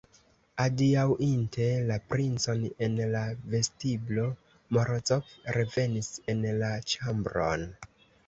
Adiaŭinte la princon en la vestiblo, Morozov revenis en la ĉambron.